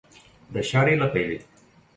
Deixar-hi la pell.